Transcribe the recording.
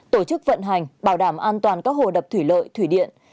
tổ chức vận hành bảo đảm an toàn các hồ đập thủy lợi thủy điện